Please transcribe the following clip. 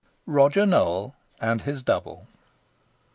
ROGER NOWELL AND HIS DOUBLE.